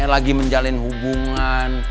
lagi menjalin hubungan